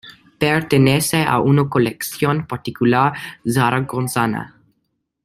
Pertenece a una colección particular zaragozana.